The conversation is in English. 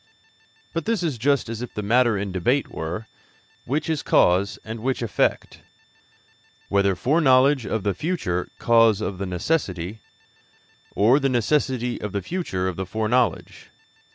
But this is just as if the matter in debate were, which is cause and which effect whether foreknowledge of the future cause of the necessity, or the necessity of the future of the foreknowledge.